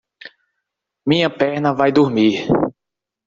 Minha perna vai dormir.